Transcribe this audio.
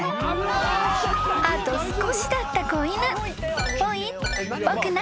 ［あと少しだった子犬］ぽいのかな。